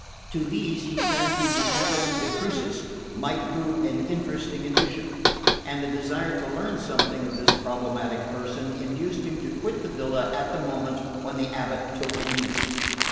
To these he fancied the abate de Crucis might prove an interesting addition; and the desire to learn something of this problematic person induced him to quit the villa at the moment when the abate took leave.